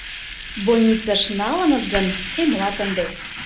— Больницыш налыныт гын, эмлат ынде.